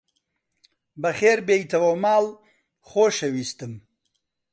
بەخێربێیتەوە ماڵ، خۆشەویستم!